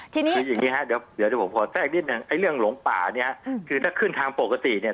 ทีนี้คืออย่างนี้ฮะเดี๋ยวผมขอแทรกนิดนึงไอ้เรื่องหลงป่าเนี่ยคือถ้าขึ้นทางปกติเนี่ย